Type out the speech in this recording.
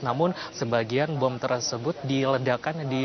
namun sebagian bom tersebut diledakan di